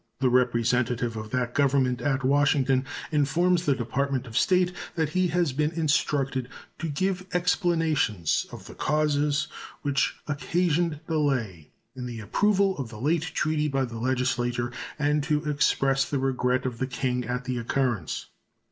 The representative of that Government at Washington informs the Department of State that he has been instructed to give explanations of the causes which occasioned delay in the approval of the late treaty by the legislature, and to express the regret of the King at the occurrence.